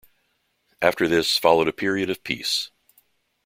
After this followed a period of peace.